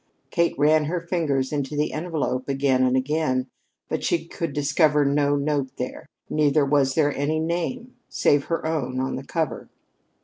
Kate ran her fingers into the envelope again and again, but she could discover no note there. Neither was there any name, save her own on the cover.